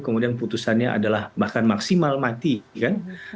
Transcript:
kemudian putusannya adalah bahkan maksimal mati kan